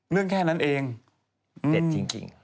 เรื่องแค่นั้นเองเด็ดจริง